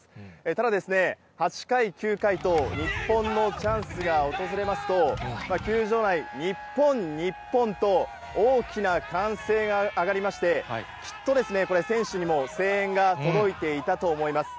ただ、８回、９回と日本のチャンスが訪れますと、球場内、日本、日本と大きな歓声が上がりまして、きっとですね、これ、選手にも声援が届いていたと思います。